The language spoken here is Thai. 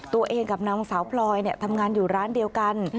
ตัวเองกับนางสาวพลอยทำงานอยู่ร้านเดียวกัน